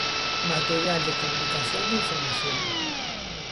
Material de comunicación da información.